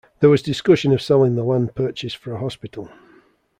There was discussion of selling the land purchased for a hospital.